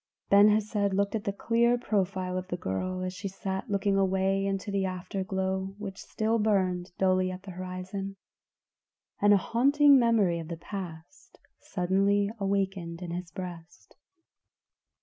Ben Hesed looked at the clear profile of the girl as she sat looking away into the afterglow which still burned dully at the horizon, and a haunting memory of the past suddenly awakened in his breast.